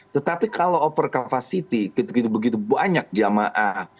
tetapi kalau over capacity begitu begitu banyak jamaah